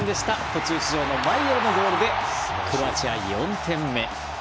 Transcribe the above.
途中出場のマイエルのゴールでクロアチア、４点目。